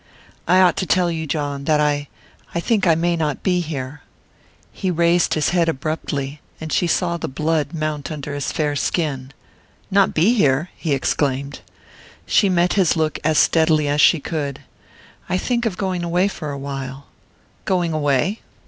"I ought to tell you John that I I think I may not be here...." He raised his head abruptly, and she saw the blood mount under his fair skin. "Not be here?" he exclaimed. She met his look as steadily as she could. "I think of going away for awhile." "Going away?